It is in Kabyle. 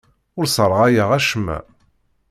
Ur sserɣayeɣ acemma.